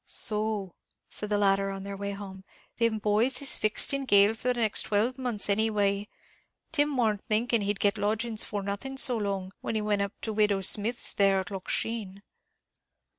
"So," said the latter on their way home, "thim boys is fixed in gaol for the next twelve months any way. Tim warn't thinking he'd get lodgings for nothing so long, when he went up to widow Smith's there at Loch Sheen."